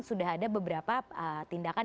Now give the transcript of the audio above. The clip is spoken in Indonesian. sudah ada beberapa tindakan